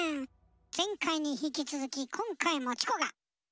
前回に引き続き今回もチコが」。